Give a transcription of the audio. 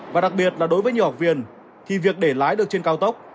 và đặc biệt là đối với nhiều học viên thì việc để lái được trên cao tốc